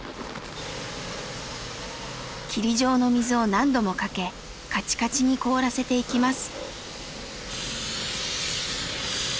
霧状の水を何度もかけカチカチに凍らせていきます。